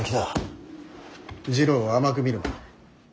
次郎を甘く見るな。